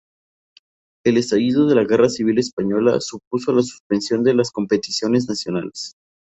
El estallido de la Guerra Civil Española supuso la suspensión de las competiciones nacionales.